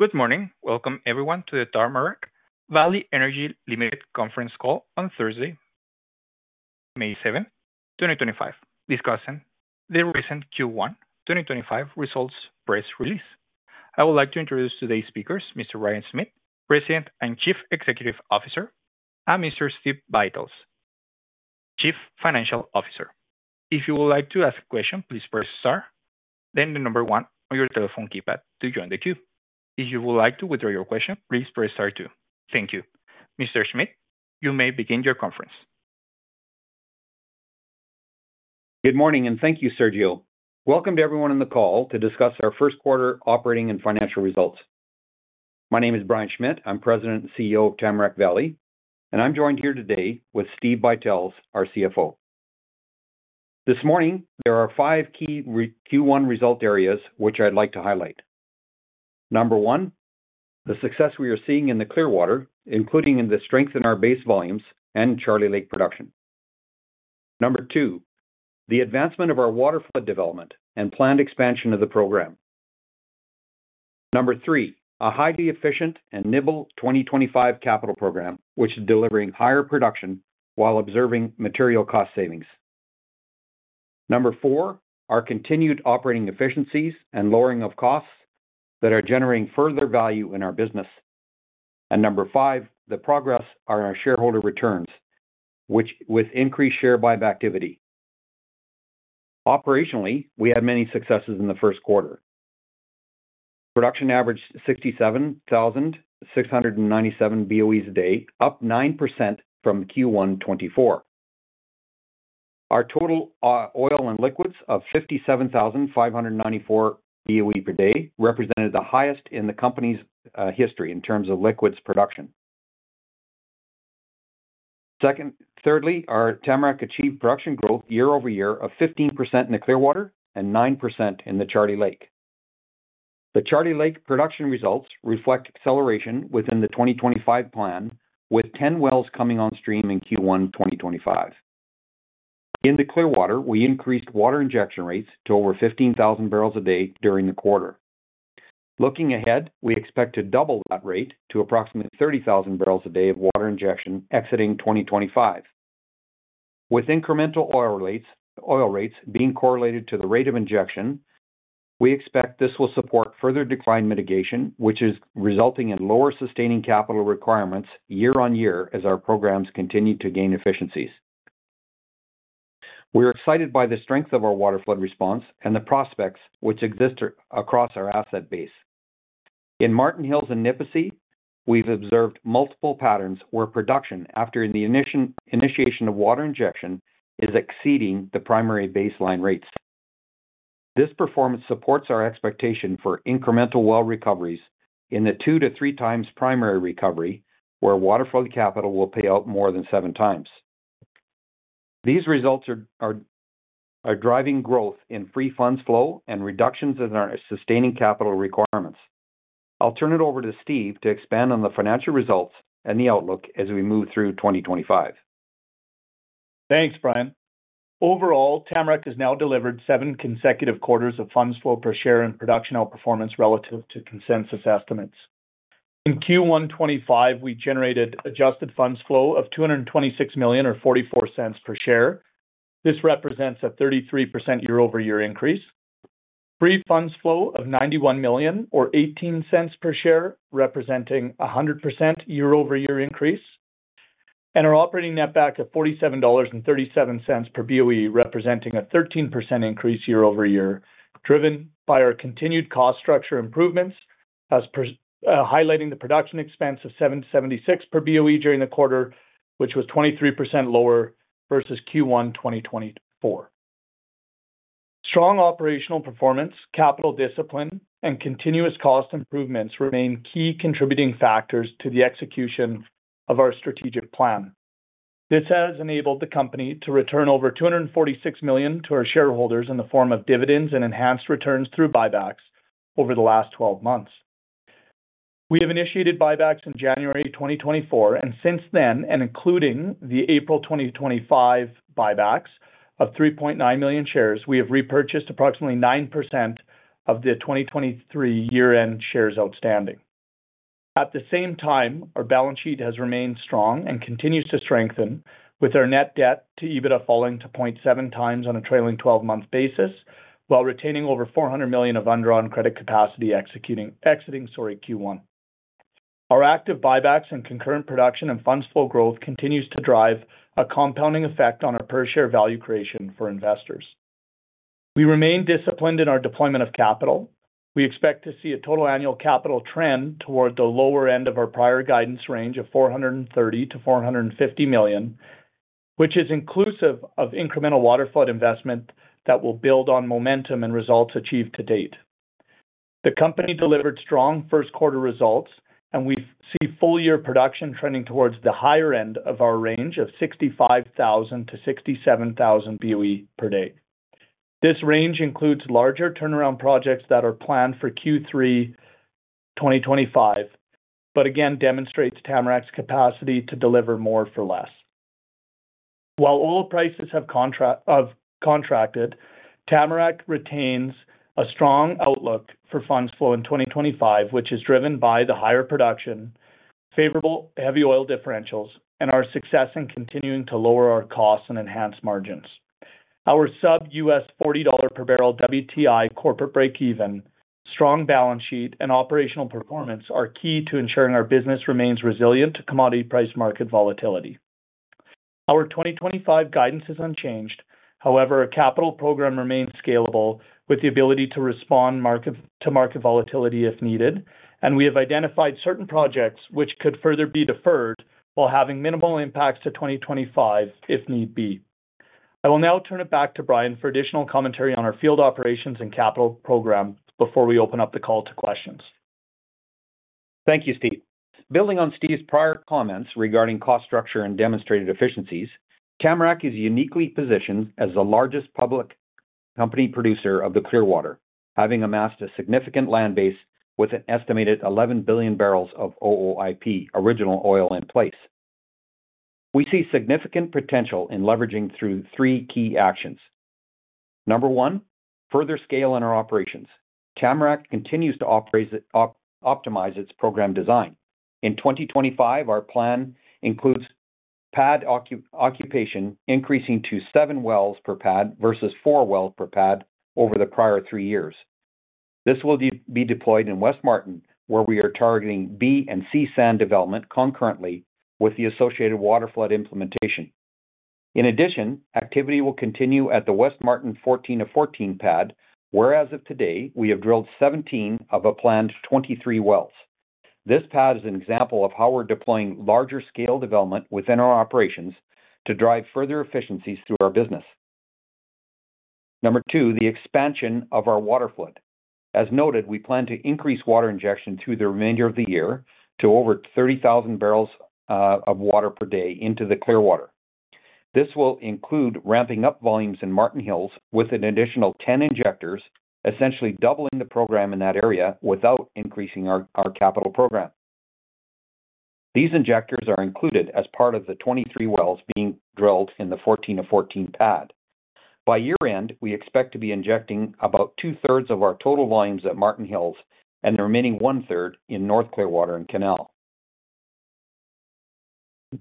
Good morning. Welcome, everyone, to the Tamarack Valley Energy conference call on Thursday, May 7, 2025, discussing the recent Q1 2025 results press release. I would like to introduce today's speakers, Mr. Brian Schmidt, President and Chief Executive Officer, and Mr. Steve Buytels, Chief Financial Officer. If you would like to ask a question, please press star, then the number one on your telephone keypad to join the queue. If you would like to withdraw your question, please press star two. Thank you. Mr. Schmidt, you may begin your conference. Good morning, and thank you, Sergio. Welcome to everyone in the call to discuss our first quarter operating and financial results. My name is Brian Schmidt. I'm President and CEO of Tamarack Valley, and I'm joined here today with Steve Buytels, our CFO. This morning, there are five key Q1 result areas which I'd like to highlight. Number one, the success we are seeing in the Clearwater, including in the strength in our base volumes and Charlie Lake production. Number two, the advancement of our waterflood development and planned expansion of the program. Number three, a highly efficient and nimble 2025 capital program which is delivering higher production while observing material cost savings. Number four, our continued operating efficiencies and lowering of costs that are generating further value in our business. Number five, the progress on our shareholder returns, which with increased share buyback activity. Operationally, we had many successes in the first quarter. Production averaged 67,697 BOE a day, up 9% from Q1 2024. Our total oil and liquids of 57,594 BOE per day represented the highest in the company's history in terms of liquids production. Thirdly, Tamarack achieved production growth year-over-year of 15% in the Clearwater and 9% in the Charlie Lake. The Charlie Lake production results reflect acceleration within the 2025 plan, with 10 wells coming on stream in Q1 2025. In the Clearwater, we increased water injection rates to over 15,000 barrels a day during the quarter. Looking ahead, we expect to double that rate to approximately 30,000 barrels a day of water injection exiting 2025. With incremental oil rates being correlated to the rate of injection, we expect this will support further decline mitigation, which is resulting in lower sustaining capital requirements year on year as our programs continue to gain efficiencies. We're excited by the strength of our water flood response and the prospects which exist across our asset base. In Martin Hills and Nipisi, we've observed multiple patterns where production, after the initiation of water injection, is exceeding the primary baseline rates. This performance supports our expectation for incremental well recoveries in the two to three times primary recovery, where water flood capital will pay out more than seven times. These results are driving growth in free funds flow and reductions in our sustaining capital requirements. I'll turn it over to Steve to expand on the financial results and the outlook as we move through 2025. Thanks, Brian. Overall, Tamarack has now delivered seven consecutive quarters of funds flow per share and production outperformance relative to consensus estimates. In Q1 2025, we generated adjusted funds flow of 226 million, or 0.44 per share. This represents a 33% year-over-year increase. Free funds flow of 91 million, or 0.18 per share, representing a 100% year-over-year increase. Our operating netback of CAD 47.37 per BOE represents a 13% increase year-over-year, driven by our continued cost structure improvements, highlighting the production expense of 7.76 per BOE during the quarter, which was 23% lower versus Q1 2024. Strong operational performance, capital discipline, and continuous cost improvements remain key contributing factors to the execution of our strategic plan. This has enabled the company to return over 246 million to our shareholders in the form of dividends and enhanced returns through buybacks over the last 12 months. We have initiated buybacks in January 2024, and since then, and including the April 2025 buybacks of 3.9 million shares, we have repurchased approximately 9% of the 2023 year-end shares outstanding. At the same time, our balance sheet has remained strong and continues to strengthen, with our net debt to EBITDA falling to 0.7 times on a trailing 12-month basis, while retaining over 400 million of underwritten credit capacity exiting Q1. Our active buybacks and concurrent production and funds flow growth continues to drive a compounding effect on our per-share value creation for investors. We remain disciplined in our deployment of capital. We expect to see a total annual capital trend toward the lower end of our prior guidance range of 430 million-450 million, which is inclusive of incremental water flood investment that will build on momentum and results achieved to date. The company delivered strong first quarter results, and we see full-year production trending towards the higher end of our range of 65,000-67,000 BOE per day. This range includes larger turnaround projects that are planned for Q3 2025, but again demonstrates Tamarack's capacity to deliver more for less. While oil prices have contracted, Tamarack retains a strong outlook for funds flow in 2025, which is driven by the higher production, favorable heavy oil differentials, and our success in continuing to lower our costs and enhance margins. Our sub-$40 per barrel WTI corporate break-even, strong balance sheet, and operational performance are key to ensuring our business remains resilient to commodity price market volatility. Our 2025 guidance is unchanged. However, our capital program remains scalable with the ability to respond to market volatility if needed, and we have identified certain projects which could further be deferred while having minimal impacts to 2025 if need be. I will now turn it back to Brian for additional commentary on our field operations and capital program before we open up the call to questions. Thank you, Steve. Building on Steve's prior comments regarding cost structure and demonstrated efficiencies, Tamarack is uniquely positioned as the largest public company producer of the Clearwater, having amassed a significant land base with an estimated 11 billion barrels of OOIP, Original Oil In Place. We see significant potential in leveraging through three key actions. Number one, further scale in our operations. Tamarack continues to optimize its program design. In 2025, our plan includes pad occupation increasing to seven wells per pad versus four wells per pad over the prior three years. This will be deployed in West Martin, where we are targeting B and C sand development concurrently with the associated water flood implementation. In addition, activity will continue at the West Martin 14 of 14 pad, where as of today, we have drilled 17 of a planned 23 wells. This pad is an example of how we're deploying larger scale development within our operations to drive further efficiencies through our business. Number two, the expansion of our water flood. As noted, we plan to increase water injection through the remainder of the year to over 30,000 barrels of water per day into the Clearwater. This will include ramping up volumes in Martin Hills with an additional 10 injectors, essentially doubling the program in that area without increasing our capital program. These injectors are included as part of the 23 wells being drilled in the 14 of 14 pad. By year-end, we expect to be injecting about two-thirds of our total volumes at Martin Hills and the remaining one-third in North Clearwater and Canal.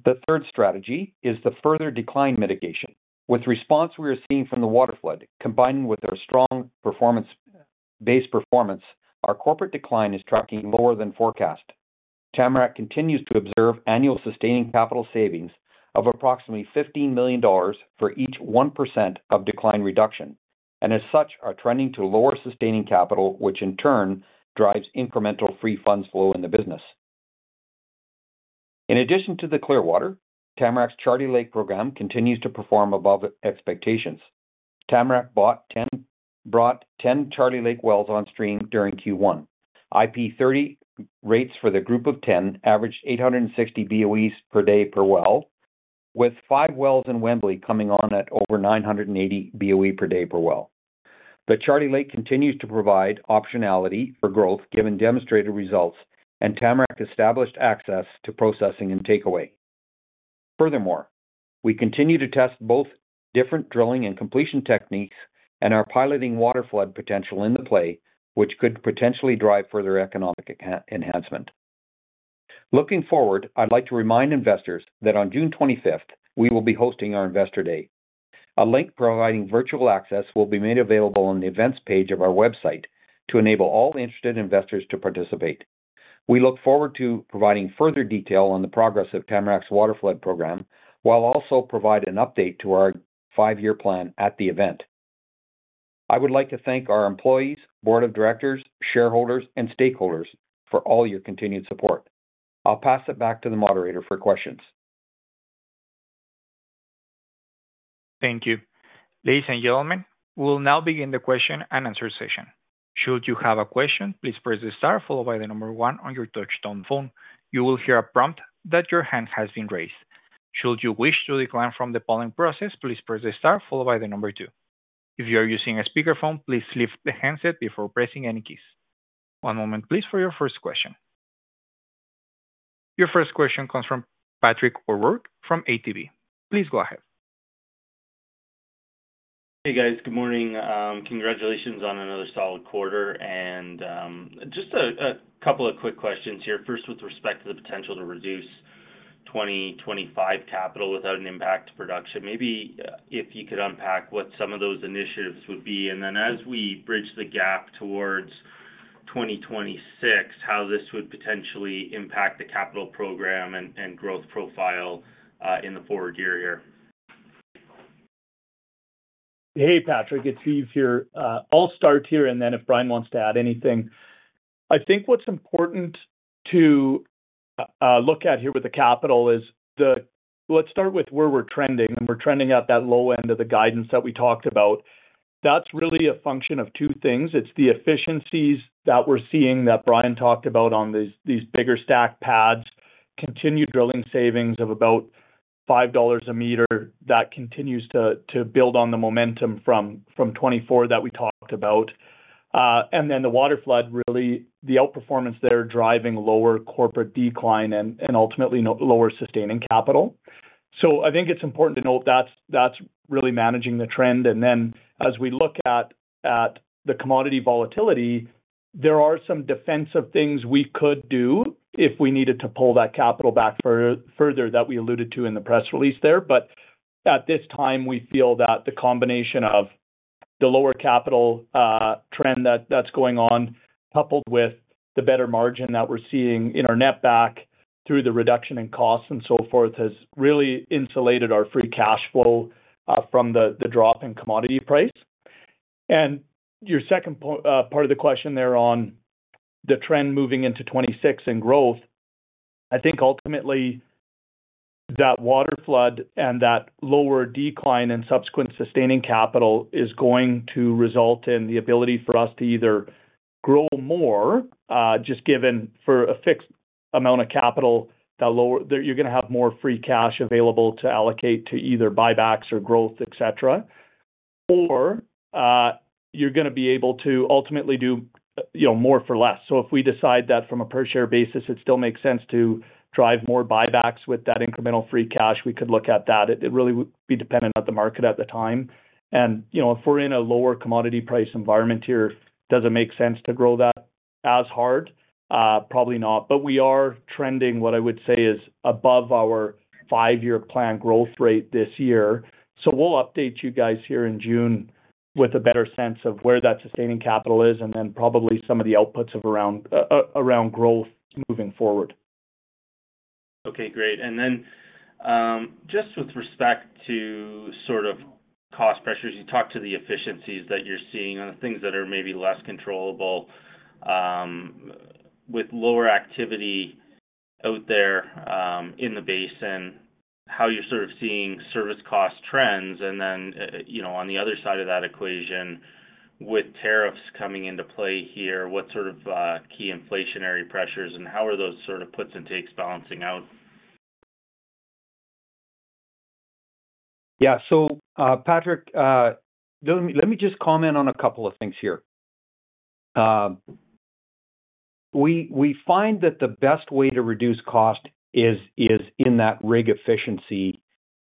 The third strategy is the further decline mitigation. With the response we are seeing from the water flood, combining with our strong base performance, our corporate decline is tracking lower than forecast. Tamarack continues to observe annual sustaining capital savings of approximately 15 million dollars for each 1% of decline reduction, and as such, are trending to lower sustaining capital, which in turn drives incremental free funds flow in the business. In addition to the Clearwater, Tamarack's Charlie Lake program continues to perform above expectations. Tamarack brought 10 Charlie Lake wells on stream during Q1. IP3 rates for the group of 10 averaged 860 BOE per day per well, with five wells in Wembley coming on at over 980 BOE per day per well. The Charlie Lake continues to provide optionality for growth given demonstrated results, and Tamarack established access to processing and takeaway. Furthermore, we continue to test both different drilling and completion techniques and are piloting water flood potential in the play, which could potentially drive further economic enhancement. Looking forward, I'd like to remind investors that on June 25th, we will be hosting our Investor Day. A link providing virtual access will be made available on the events page of our website to enable all interested investors to participate. We look forward to providing further detail on the progress of Tamarack's waterflood program while also providing an update to our five-year plan at the event. I would like to thank our employees, board of directors, shareholders, and stakeholders for all your continued support. I'll pass it back to the moderator for questions. Thank you. Ladies and gentlemen, we will now begin the question and answer session. Should you have a question, please press the star followed by the number one on your touch-tone phone. You will hear a prompt that your hand has been raised. Should you wish to decline from the polling process, please press the star followed by the number two. If you are using a speakerphone, please lift the handset before pressing any keys. One moment, please, for your first question. Your first question comes from Patrick O'Rourke from ATB Capital Markets. Please go ahead. Hey, guys. Good morning. Congratulations on another solid quarter. Just a couple of quick questions here. First, with respect to the potential to reduce 2025 capital without an impact to production, maybe if you could unpack what some of those initiatives would be. As we bridge the gap towards 2026, how this would potentially impact the capital program and growth profile in the forward year here. Hey, Patrick. It's Steve here. I'll start here, and then if Brian wants to add anything. I think what's important to look at here with the capital is the let's start with where we're trending, and we're trending at that low end of the guidance that we talked about. That's really a function of two things. It's the efficiencies that we're seeing that Brian talked about on these bigger stacked pads, continued drilling savings of about 5 dollars a meter that continues to build on the momentum from 2024 that we talked about. And then the water flood, really, the outperformance there driving lower corporate decline and ultimately lower sustaining capital. So I think it's important to note that's really managing the trend. As we look at the commodity volatility, there are some defensive things we could do if we needed to pull that capital back further that we alluded to in the press release. At this time, we feel that the combination of the lower capital trend that's going on, coupled with the better margin that we're seeing in our netback through the reduction in costs and so forth, has really insulated our free cash flow from the drop in commodity price. Your second part of the question there on the trend moving into 2026 and growth, I think ultimately that water flood and that lower decline and subsequent sustaining capital is going to result in the ability for us to either grow more just given for a fixed amount of capital that you're going to have more free cash available to allocate to either buybacks or growth, etc., or you're going to be able to ultimately do more for less. If we decide that from a per-share basis, it still makes sense to drive more buybacks with that incremental free cash, we could look at that. It really would be dependent on the market at the time. If we're in a lower commodity price environment here, does it make sense to grow that as hard? Probably not. We are trending what I would say is above our five-year planned growth rate this year. We will update you guys here in June with a better sense of where that sustaining capital is and then probably some of the outputs of around growth moving forward. Okay. Great. Then just with respect to sort of cost pressures, you talked to the efficiencies that you're seeing on the things that are maybe less controllable with lower activity out there in the basin, how you're sort of seeing service cost trends. On the other side of that equation, with tariffs coming into play here, what sort of key inflationary pressures and how are those sort of puts and takes balancing out? Yeah. Patrick, let me just comment on a couple of things here. We find that the best way to reduce cost is in that rig efficiency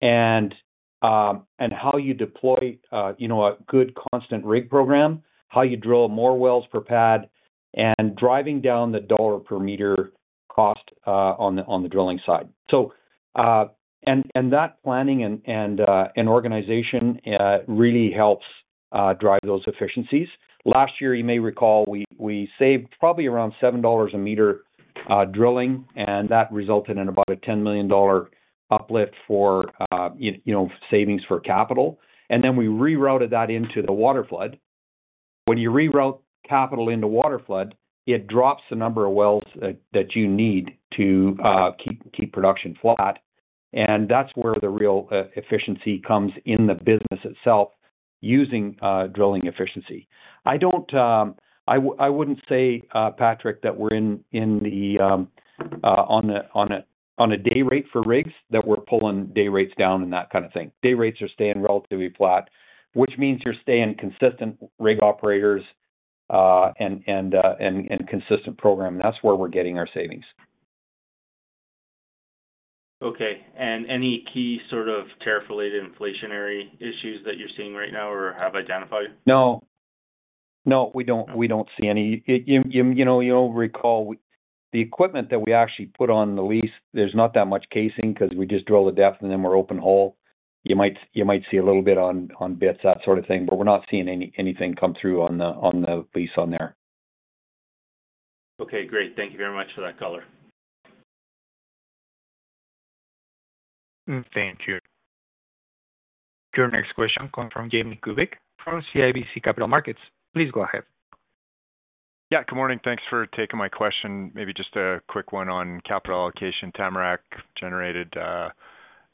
and how you deploy a good constant rig program, how you drill more wells per pad, and driving down the dollar per meter cost on the drilling side. That planning and organization really helps drive those efficiencies. Last year, you may recall, we saved probably around 7 dollars a meter drilling, and that resulted in about a 10 million dollar uplift for savings for capital. We rerouted that into the water flood. When you reroute capital into water flood, it drops the number of wells that you need to keep production flat. That is where the real efficiency comes in the business itself using drilling efficiency. I wouldn't say, Patrick, that we're in the on a day rate for rigs, that we're pulling day rates down and that kind of thing. Day rates are staying relatively flat, which means you're staying consistent rig operators and consistent program. That's where we're getting our savings. Okay. Any key sort of tariff-related inflationary issues that you're seeing right now or have identified? No. No, we don't see any. You'll recall the equipment that we actually put on the lease, there's not that much casing because we just drill the depth and then we're open hole. You might see a little bit on bits, that sort of thing, but we're not seeing anything come through on the lease on there. Okay. Great. Thank you very much for that color. Thank you. Your next question comes from Jamie Kubik from CIBC Capital Markets. Please go ahead. Yeah. Good morning. Thanks for taking my question. Maybe just a quick one on capital allocation. Tamarack generated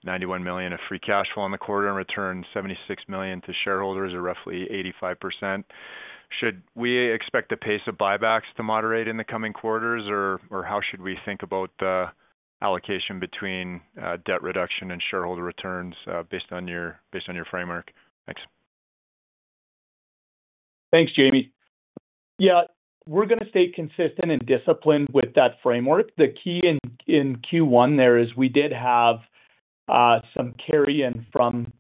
91 million of free cash flow on the quarter and returned 76 million to shareholders or roughly 85%. Should we expect the pace of buybacks to moderate in the coming quarters, or how should we think about the allocation between debt reduction and shareholder returns based on your framework? Thanks. Thanks, Jamie. Yeah. We're going to stay consistent and disciplined with that framework. The key in Q1 there is we did have some carry-in from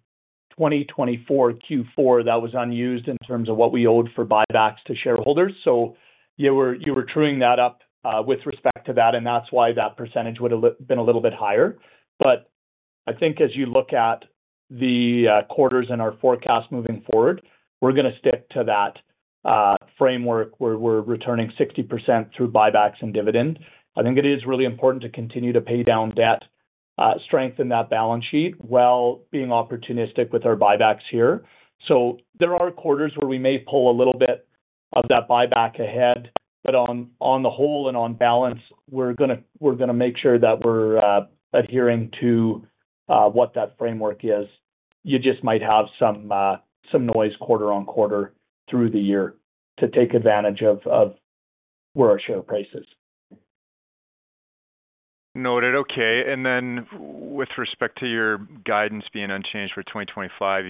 2024 Q4 that was unused in terms of what we owed for buybacks to shareholders. You were truing that up with respect to that, and that's why that percentage would have been a little bit higher. I think as you look at the quarters in our forecast moving forward, we're going to stick to that framework where we're returning 60% through buybacks and dividend. I think it is really important to continue to pay down debt, strengthen that balance sheet while being opportunistic with our buybacks here. There are quarters where we may pull a little bit of that buyback ahead, but on the whole and on balance, we're going to make sure that we're adhering to what that framework is. You just might have some noise quarter on quarter through the year to take advantage of where our share price is. Noted. Okay. With respect to your guidance being unchanged for 2025,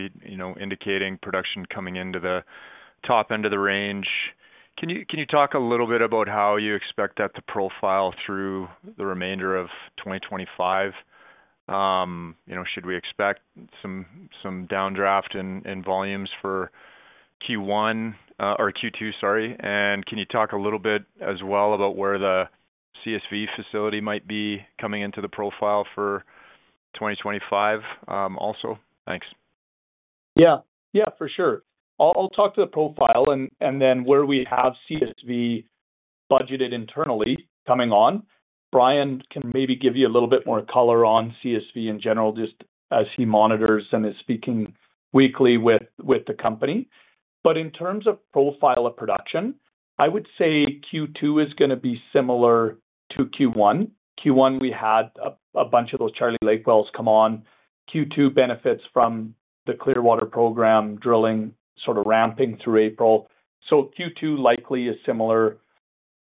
indicating production coming into the top end of the range, can you talk a little bit about how you expect that to profile through the remainder of 2025? Should we expect some downdraft in volumes for Q1 or Q2, sorry? Can you talk a little bit as well about where the CSV facility might be coming into the profile for 2025 also? Thanks. Yeah. Yeah, for sure. I'll talk to the profile and then where we have CSV budgeted internally coming on. Brian can maybe give you a little bit more color on CSV in general just as he monitors and is speaking weekly with the company. But in terms of profile of production, I would say Q2 is going to be similar to Q1. Q1, we had a bunch of those Charlie Lake wells come on. Q2 benefits from the Clearwater program drilling sort of ramping through April. So Q2 likely is similar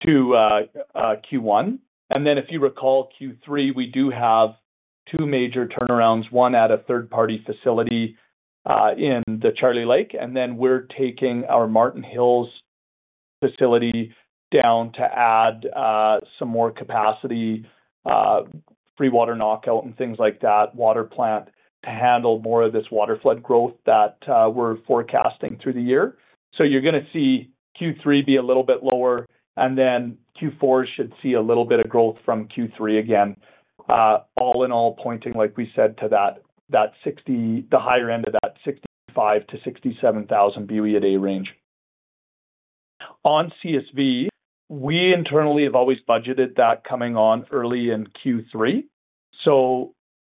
to Q1. If you recall, Q3, we do have two major turnarounds, one at a third-party facility in the Charlie Lake, and then we are taking our Martin Hills facility down to add some more capacity, free water knockout and things like that, water plant to handle more of this water flood growth that we are forecasting through the year. You are going to see Q3 be a little bit lower, and then Q4 should see a little bit of growth from Q3 again, all in all pointing, like we said, to the higher end of that 65,000-67,000 BOE a day range. On CSV, we internally have always budgeted that coming on early in Q3.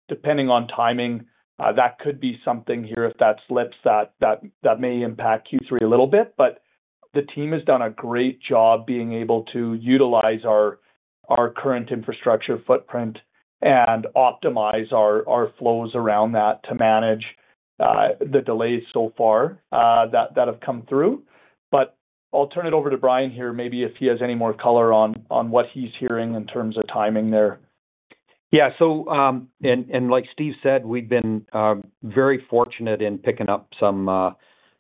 Depending on timing, that could be something here if that slips, that may impact Q3 a little bit. The team has done a great job being able to utilize our current infrastructure footprint and optimize our flows around that to manage the delays so far that have come through. I'll turn it over to Brian here, maybe if he has any more color on what he's hearing in terms of timing there. Yeah. Like Steve said, we've been very fortunate in picking up some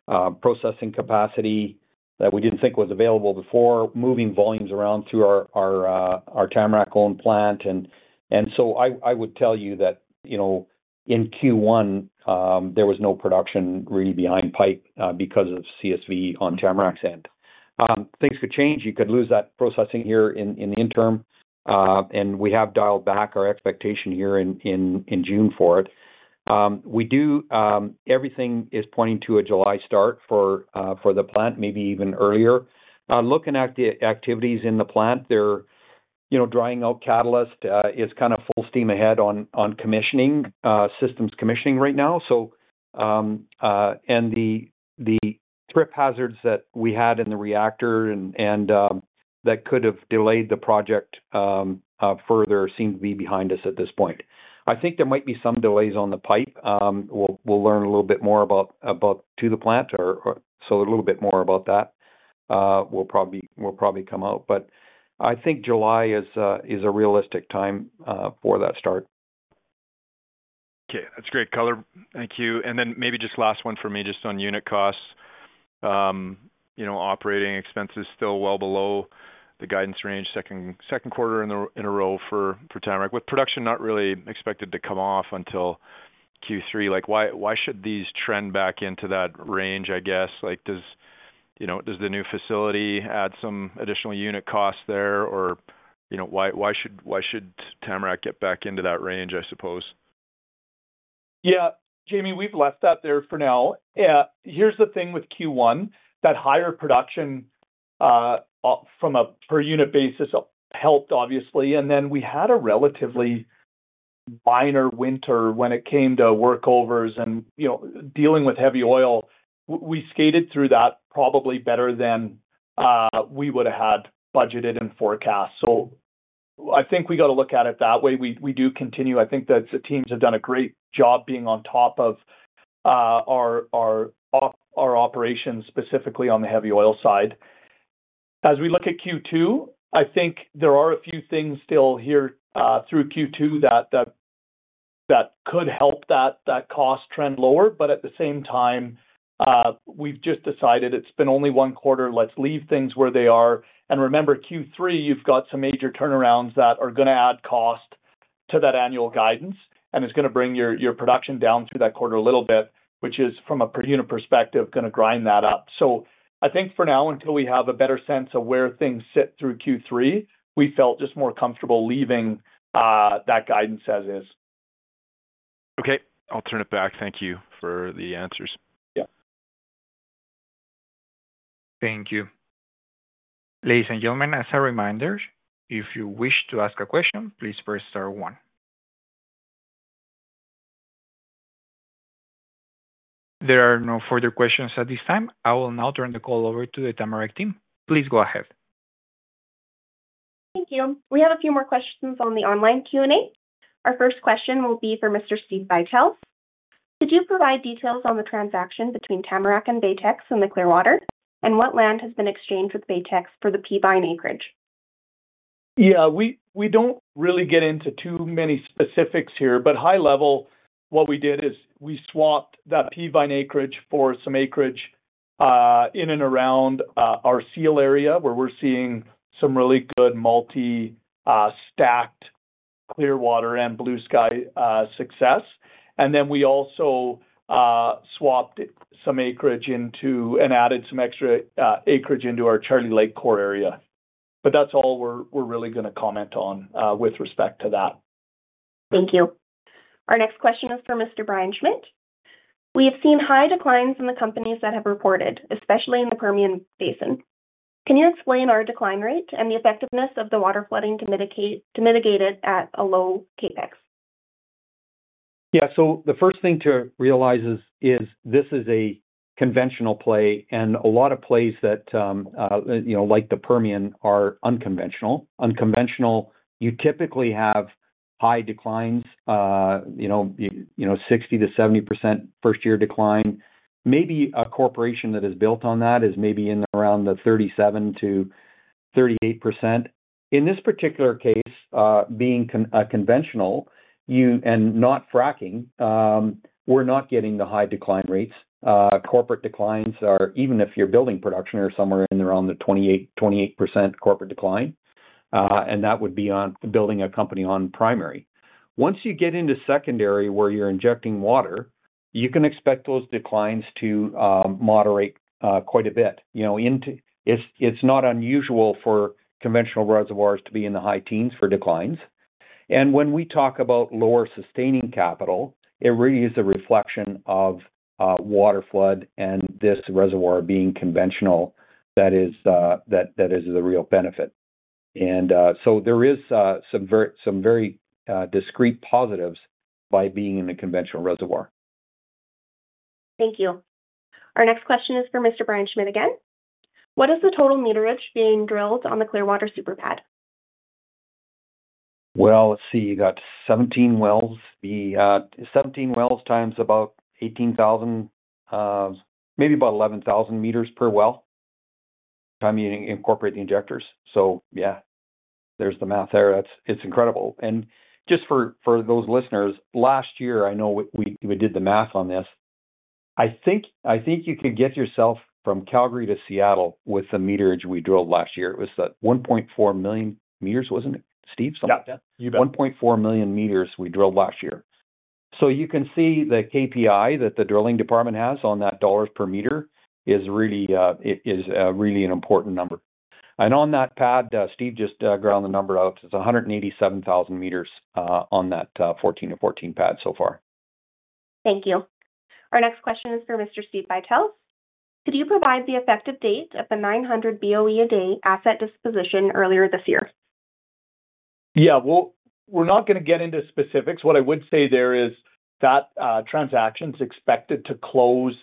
processing capacity that we didn't think was available before, moving volumes around through our Tamarack-owned plant. I would tell you that in Q1, there was no production really behind pipe because of CSV on Tamarack's end. Things could change. You could lose that processing here in the interim, and we have dialed back our expectation here in June for it. Everything is pointing to a July start for the plant, maybe even earlier. Looking at the activities in the plant, they're drying out catalyst. It's kind of full steam ahead on commissioning, systems commissioning right now. The trip hazards that we had in the reactor and that could have delayed the project further seem to be behind us at this point. I think there might be some delays on the pipe. We'll learn a little bit more about the plant, so a little bit more about that will probably come out. I think July is a realistic time for that start. Okay. That's great color. Thank you. Maybe just last one for me, just on unit costs, operating expenses still well below the guidance range, second quarter in a row for Tamarack, with production not really expected to come off until Q3. Why should these trend back into that range, I guess? Does the new facility add some additional unit costs there, or why should Tamarack get back into that range, I suppose? Yeah. Jamie, we've left that there for now. Here's the thing with Q1. That higher production from a per-unit basis helped, obviously. Then we had a relatively minor winter when it came to workovers and dealing with heavy oil. We skated through that probably better than we would have had budgeted and forecast. I think we got to look at it that way. We do continue. I think that the teams have done a great job being on top of our operations specifically on the heavy oil side. As we look at Q2, I think there are a few things still here through Q2 that could help that cost trend lower. At the same time, we've just decided it's been only one quarter. Let's leave things where they are. Remember, Q3, you've got some major turnarounds that are going to add cost to that annual guidance and is going to bring your production down through that quarter a little bit, which is, from a per-unit perspective, going to grind that up. I think for now, until we have a better sense of where things sit through Q3, we felt just more comfortable leaving that guidance as is. Okay. I'll turn it back. Thank you for the answers. Yeah. Thank you. Ladies and gentlemen, as a reminder, if you wish to ask a question, please press star one. There are no further questions at this time. I will now turn the call over to the Tamarack team. Please go ahead. Thank you. We have a few more questions on the online Q&A. Our first question will be for Mr. Steve Buytels. Could you provide details on the transaction between Tamarack and Baytex and the Clearwater, and what land has been exchanged with Baytex for the P-vine acreage? Yeah. We do not really get into too many specifics here, but high level, what we did is we swapped that p-vine acreage for some acreage in and around our Seal area where we are seeing some really good multi-stacked Clearwater and Blue Sky success. Then we also swapped some acreage into and added some extra acreage into our Charlie Lake core area. That is all we are really going to comment on with respect to that. Thank you. Our next question is for Mr. Brian Schmidt. We have seen high declines in the companies that have reported, especially in the Permian Basin. Can you explain our decline rate and the effectiveness of the water flooding to mitigate it at a low CapEx? Yeah. The first thing to realize is this is a conventional play, and a lot of plays that, like the Permian, are unconventional. Unconventional, you typically have high declines, 60%-70% first-year decline. Maybe a corporation that is built on that is maybe in and around the 37%-38%. In this particular case, being conventional and not fracking, we're not getting the high decline rates. Corporate declines are, even if you're building production or somewhere in there on the 28% corporate decline, and that would be on building a company on primary. Once you get into secondary where you're injecting water, you can expect those declines to moderate quite a bit. It's not unusual for conventional reservoirs to be in the high teens for declines. When we talk about lower sustaining capital, it really is a reflection of water flood and this reservoir being conventional. That is the real benefit. There are some very discreet positives by being in the conventional reservoir. Thank you. Our next question is for Mr. Brian Schmidt again. What is the total meterage being drilled on the Clearwater SuperPad? Let's see. You got 17 wells. 17 wells times about 18,000, maybe about 11,000 meters per well. Time you incorporate the injectors. Yeah, there's the math there. It's incredible. Just for those listeners, last year, I know we did the math on this. I think you could get yourself from Calgary to Seattle with the meterage we drilled last year. It was 1.4 million meters, was it not, Steve? Something like that? Yeah. You bet. 1.4 million meters we drilled last year. You can see the KPI that the drilling department has on that dollars per meter is really an important number. On that pad, Steve just ground the number out. It is 187,000 meters on that 14 to 14 pad so far. Thank you. Our next question is for Mr. Steve Buytels. Could you provide the effective date of the 900 BOE a day asset disposition earlier this year? Yeah. We are not going to get into specifics. What I would say there is that transaction is expected to close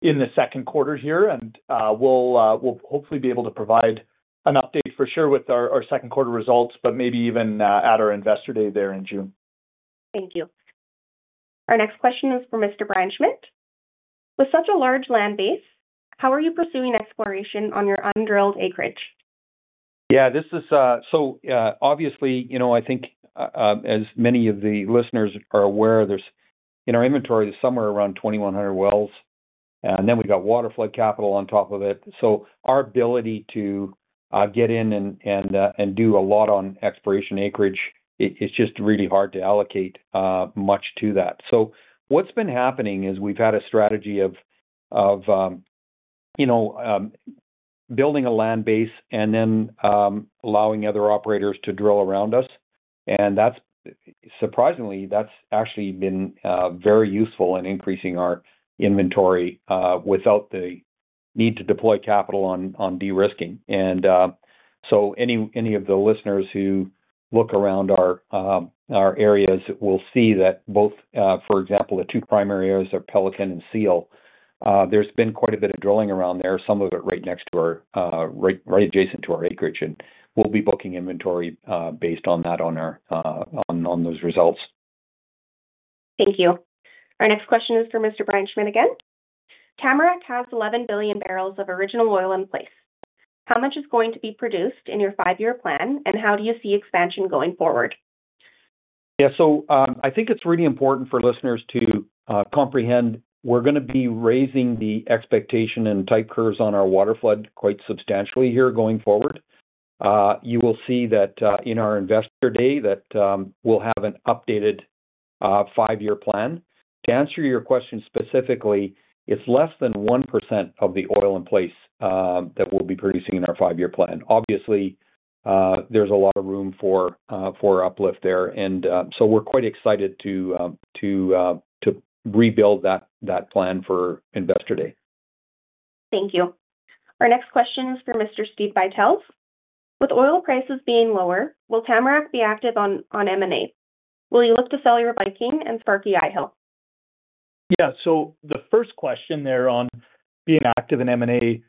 in the second quarter here, and we will hopefully be able to provide an update for sure with our second quarter results, but maybe even at our investor day there in June. Thank you. Our next question is for Mr. Brian Schmidt. With such a large land base, how are you pursuing exploration on your undrilled acreage? Yeah. Obviously, I think as many of the listeners are aware, in our inventory, there's somewhere around 2,100 wells, and then we've got water flood capital on top of it. Our ability to get in and do a lot on exploration acreage, it's just really hard to allocate much to that. What's been happening is we've had a strategy of building a land base and then allowing other operators to drill around us. Surprisingly, that's actually been very useful in increasing our inventory without the need to deploy capital on de-risking. Any of the listeners who look around our areas will see that both, for example, the two primary areas of Pelican and Seal, there's been quite a bit of drilling around there, some of it right adjacent to our acreage. We'll be booking inventory based on that on those results. Thank you. Our next question is for Mr. Brian Schmidt again. Tamarack has 11 billion barrels of original oil in place. How much is going to be produced in your five-year plan, and how do you see expansion going forward? Yeah. I think it's really important for listeners to comprehend we're going to be raising the expectation and tight curves on our water flood quite substantially here going forward. You will see that in our investor day that we'll have an updated five-year plan. To answer your question specifically, it's less than 1% of the oil in place that we'll be producing in our five-year plan. Obviously, there's a lot of room for uplift there. We're quite excited to rebuild that plan for investor day. Thank you. Our next question is for Mr. Steve Buytels. With oil prices being lower, will Tamarack be active on M&A? Will you look to sell your Viking and Sparky Eyehill? Yeah. The first question there on being active in M&A,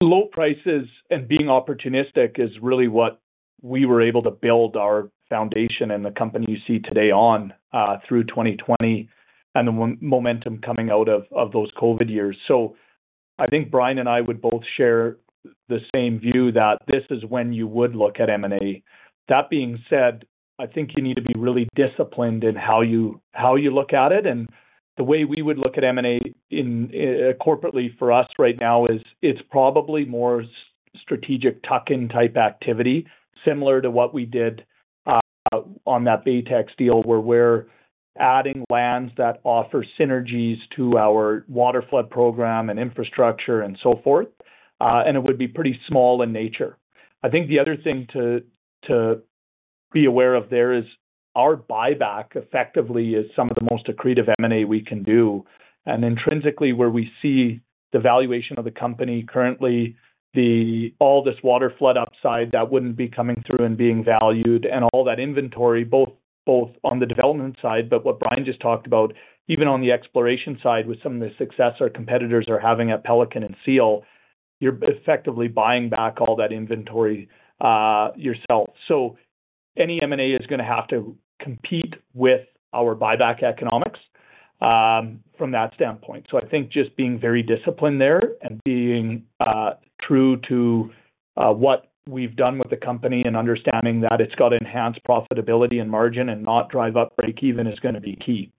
low prices and being opportunistic is really what we were able to build our foundation and the company you see today on through 2020 and the momentum coming out of those COVID years. I think Brian and I would both share the same view that this is when you would look at M&A. That being said, I think you need to be really disciplined in how you look at it. The way we would look at M&A corporately for us right now is it's probably more strategic tuck-in type activity, similar to what we did on that Baytex deal where we're adding lands that offer synergies to our waterflood program and infrastructure and so forth. It would be pretty small in nature. I think the other thing to be aware of there is our buyback effectively is some of the most accretive M&A we can do. Intrinsically, where we see the valuation of the company currently, all this water flood upside that would not be coming through and being valued and all that inventory, both on the development side, but what Brian just talked about, even on the exploration side with some of the success our competitors are having at Pelican and Seal, you are effectively buying back all that inventory yourself. Any M&A is going to have to compete with our buyback economics from that standpoint. I think just being very disciplined there and being true to what we have done with the company and understanding that it has got enhanced profitability and margin and not drive up break-even is going to be key.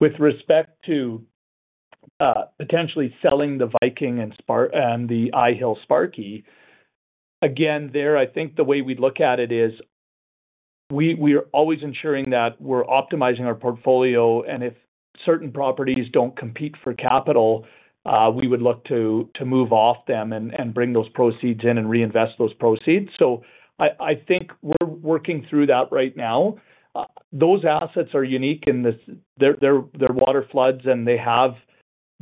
With respect to potentially selling the Viking and the Eyehill Sparky, again, there, I think the way we'd look at it is we're always ensuring that we're optimizing our portfolio. If certain properties don't compete for capital, we would look to move off them and bring those proceeds in and reinvest those proceeds. I think we're working through that right now. Those assets are unique in their water floods, and they have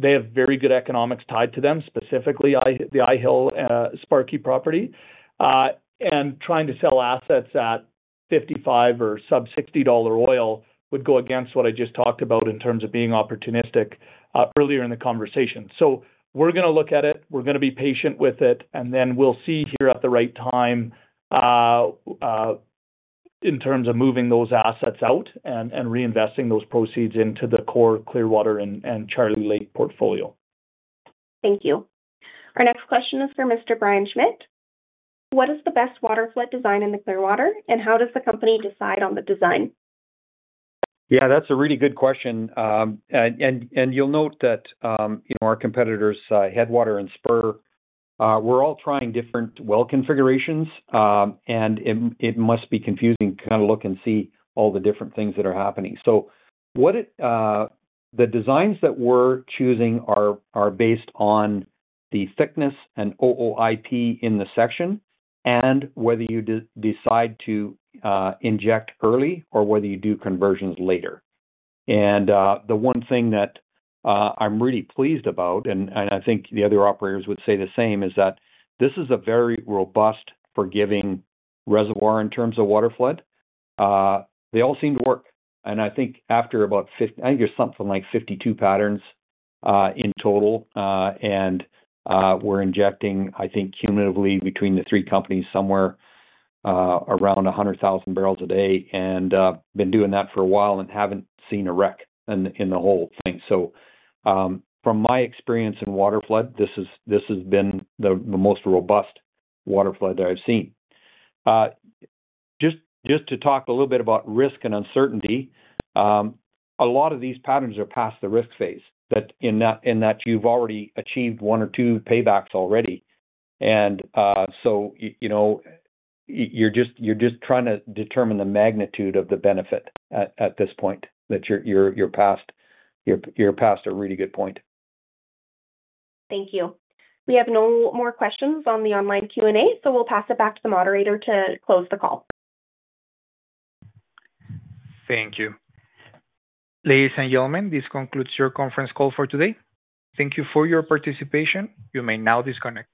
very good economics tied to them, specifically the Eyehill Sparky property. Trying to sell assets at 55 or sub 60 dollar oil would go against what I just talked about in terms of being opportunistic earlier in the conversation. We're going to look at it. We're going to be patient with it. We'll see here at the right time in terms of moving those assets out and reinvesting those proceeds into the core Clearwater and Charlie Lake portfolio. Thank you. Our next question is for Mr. Brian Schmidt. What is the best water flood design in the Clearwater, and how does the company decide on the design? Yeah. That's a really good question. You'll note that our competitors, Headwater and Spur, we're all trying different well configurations, and it must be confusing to kind of look and see all the different things that are happening. The designs that we're choosing are based on the thickness and OOIP in the section and whether you decide to inject early or whether you do conversions later. The one thing that I'm really pleased about, and I think the other operators would say the same, is that this is a very robust, forgiving reservoir in terms of water flood. They all seem to work. I think after about, I think there's something like 52 patterns in total. We're injecting, I think, cumulatively between the three companies somewhere around 100,000 barrels a day. I've been doing that for a while and haven't seen a wreck in the whole thing. From my experience in water flood, this has been the most robust water flood that I've seen. Just to talk a little bit about risk and uncertainty, a lot of these patterns are past the risk phase in that you've already achieved one or two paybacks already. You're just trying to determine the magnitude of the benefit at this point that you're past a really good point. Thank you. We have no more questions on the online Q&A, so we'll pass it back to the moderator to close the call. Thank you. Ladies and gentlemen, this concludes your conference call for today. Thank you for your participation. You may now disconnect.